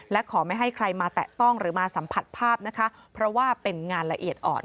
และขอไม่ให้ใครมาแตะต้องหรือมาสัมผัสภาพนะคะเพราะว่าเป็นงานละเอียดอ่อน